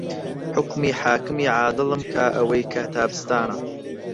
حوکمی حاکمی عادڵم کا ئەوەی کە تابستانە